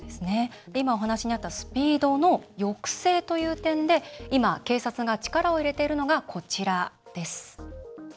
今、お話にあったスピードの抑制という点で今、警察が力を入れているのがこちらです。